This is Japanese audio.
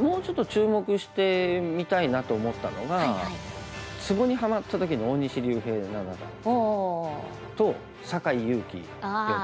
もうちょっと注目して見たいなと思ったのがツボにハマった時の大西竜平七段と酒井佑規四段。